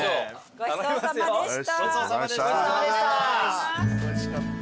ごちそうさまでした。